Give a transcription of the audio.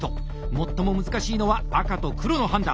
最も難しいのは赤と黒の判断。